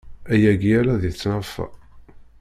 Ayagi ala di tnafa.